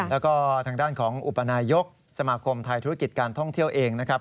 แล้วก็ทางด้านของอุปนายกสมาคมไทยธุรกิจการท่องเที่ยวเองนะครับ